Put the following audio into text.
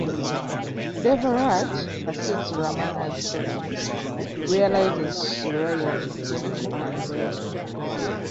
Devaraj perceives Ramana's felony, realises Surya is genuine and bails him.